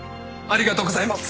ありがとうございます！